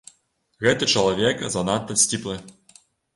Гэты чалавек занадта сціплы.